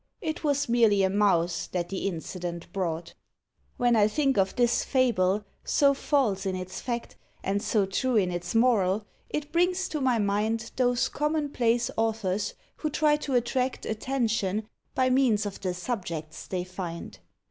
It was merely a Mouse that the incident brought. When I think of this fable, so false in its fact, And so true in its moral, it brings to my mind Those common place authors who try to attract Attention by means of the subjects they find.